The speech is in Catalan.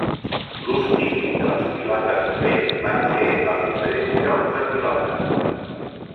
L’ús típic de les pilotes de vent van ser els diferents jocs de pilota.